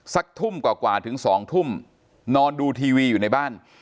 สักทุ่มกว่าถึง๒ทุ่มนอนดูทีวีอยู่ในบ้าน